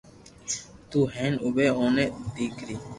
تو ھين اووي اوني ڌاڪٽري